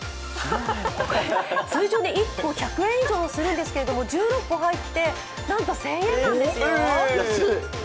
通常１個１００円以上するんですけれども、１６個入ってなんと１０００円なんですよ。